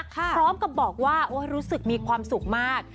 พร้อมกับบอกว่ารู้สึกมีความสุขมาก